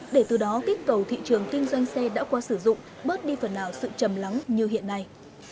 để từ đó kích cầu thị trường kinh doanh xe đã qua sử dụng bớt đi phần nào sự chầm lắng như hiện nay